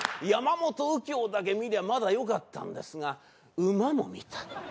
山本右京だけ見りゃまだよかったんですが馬も見た。